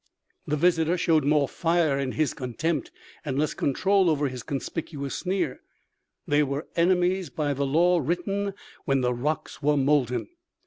The visitor showed more fire in his contempt and less control over his conspicuous sneer. They were enemies by the law written when the rocks were molten.